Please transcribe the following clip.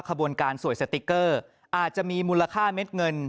ขบวนการสวยสติ๊กเกอร์อาจจะมีมูลค่าเม็ดเงิน